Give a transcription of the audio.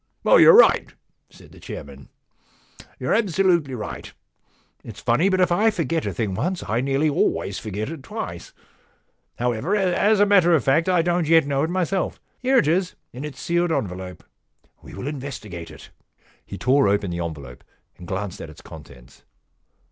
* You're right,' said the chairman ;* you're absolutely right. It's funny, but if I forget a thing once I nearly always forget it twice. However, as a matter of fact, I don't yet know it myself. Here it is in its sealed en velope. We will investigate it.' He tore open the envelope and glanced at the contents.